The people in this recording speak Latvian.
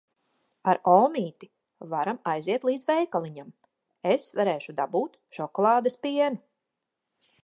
Ar omīti varam aiziet līdz veikaliņam. Es varēšu dabūt šokolādes pienu.